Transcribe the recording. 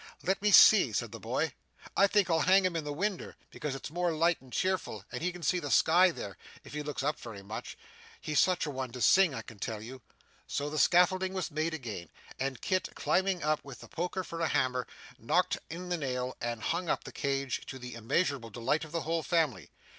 'Let me see,' said the boy, 'I think I'll hang him in the winder, because it's more light and cheerful, and he can see the sky there, if he looks up very much. He's such a one to sing, I can tell you!' So, the scaffolding was made again, and Kit, climbing up with the poker for a hammer, knocked in the nail and hung up the cage, to the immeasurable delight of the whole family.